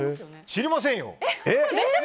知りませんよ！